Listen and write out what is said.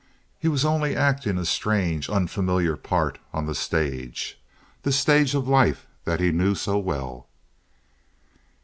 He was only acting a strange, unfamiliar part on the stage, this stage of life that he knew so well.